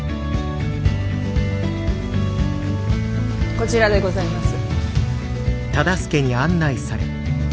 こちらでございます。